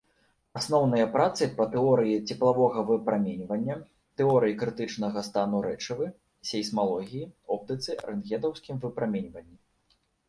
Асноўныя працы па тэорыі цеплавога выпраменьвання, тэорыі крытычнага стану рэчывы, сейсмалогіі, оптыцы, рэнтгенаўскім выпраменьванні.